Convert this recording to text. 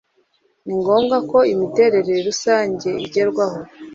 ni ngombwa ko imiterere rusange igerwaho